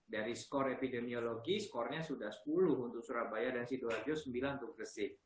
dari skor epidemiologi skornya sudah sepuluh untuk surabaya dan sidoarjo sembilan untuk gresik